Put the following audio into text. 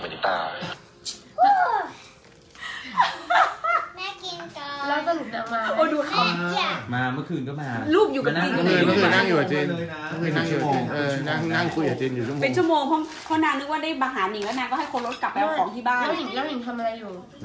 อั้มมาวันไหนค่ะ